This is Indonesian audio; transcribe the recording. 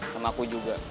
sama aku juga